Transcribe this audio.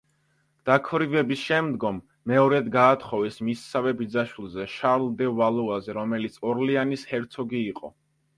დაქვრივების შემდგომ მეორედ გაათხოვეს მისსავე ბიძაშვილზე, შარლ დე ვალუაზე, რომელიც ორლეანის ჰერცოგი იყო.